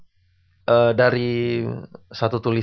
saya akan memberikan tiga catatan sejarah